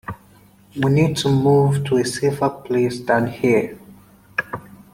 We need to move to a safer place than here.